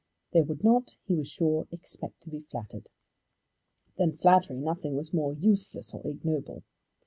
They would not, he was sure, expect to be flattered. Than flattery nothing was more useless or ignoble.